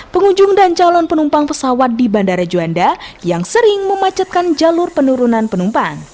pengunjung dan calon penumpang pesawat di bandara juanda yang sering memacetkan jalur penurunan penumpang